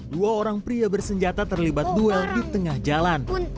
dua orang pria bersenjata terlibat duel di tengah jalan